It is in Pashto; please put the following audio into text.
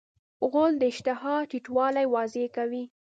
غول د اشتها ټیټوالی واضح کوي.